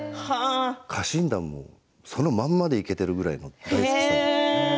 家臣団もそのままでいけているくらいの大好きさ。